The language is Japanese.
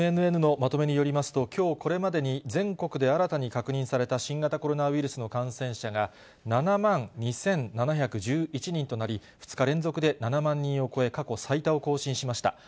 ＮＮＮのまとめによりますと、きょうこれまでに全国で新たに確認された新型コロナウイルスの感染者が７万２７１１人となり、２日連続で７万人を超え、過去最多を更新しました。